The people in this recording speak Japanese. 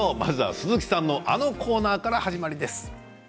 鈴木さんのあのコーナーから始まります。